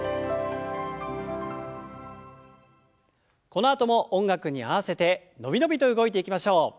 このあとも音楽に合わせて伸び伸びと動いていきましょう。